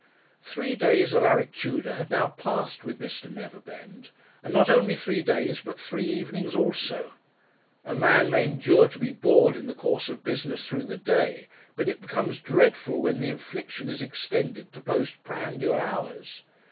Three days Alaric Tudor had now passed with Mr. Neverbend, and not only three days but three evenings also! A man may endure to be bored in the course of business through the day, but it becomes dreadful when the infliction is extended to post prandial hours.